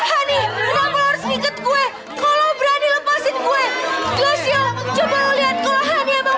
ini kenapa harus ngikut gue kalau berani lepasin gue coba lihat kalau